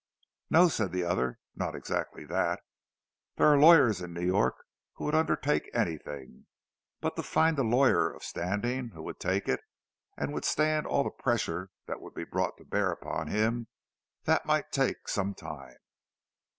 "No," said the other, "not exactly that. There are lawyers in New York who would undertake anything. But to find a lawyer of standing who would take it, and withstand all the pressure that would be brought to bear upon him—that might take some time."